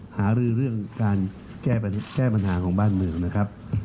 หารือเรื่องการแก้ปัญหาของบ้านเมืองนะครับ